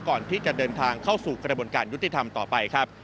ก่อนที่จะเดินทางเข้าสู่กระบวนการยุติธรรมต่อไปครับ